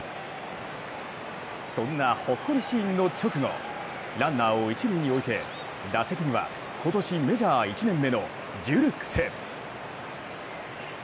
そんなほっこりシーンの直後、ランナーを一塁に置いて打席には今年メジャー１年目のジュルクス。